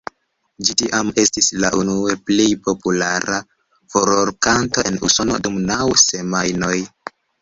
Ĝi tiam estis la unue plej populara furorkanto en Usono dum naŭ semajnoj.